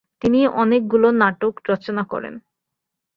তিনি অনেকগুলি নাটক রচনা করেন।